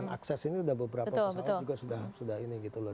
akses ini sudah beberapa pesawat juga sudah ini gitu loh